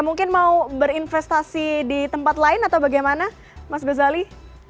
mungkin mau berinvestasi di tempat lain atau bagaimana mas gozali